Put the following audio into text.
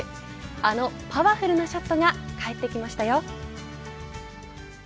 あのパワフルなショットが帰ってきましたよ。